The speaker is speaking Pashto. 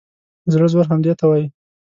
د زړه زور همدې ته وایي.